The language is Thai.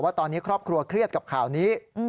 ว่าตอนนี้ครอบครัวเครียดกับข่าวนี้